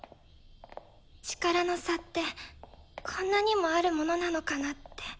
力の差ってこんなにもあるものなのかなって。